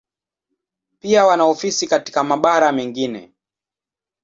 Pia wana ofisi katika mabara mengine.